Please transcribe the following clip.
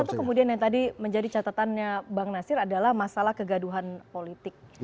atau kemudian yang tadi menjadi catatannya bang nasir adalah masalah kegaduhan politik